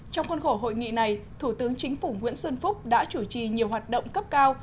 trong khuôn khổ hội nghị này thủ tướng chính phủ nguyễn xuân phúc đã chủ trì nhiều hoạt động cấp cao